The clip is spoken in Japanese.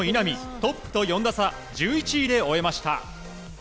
トップと４打差１１位で終えました。